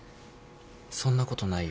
そんなことないよ。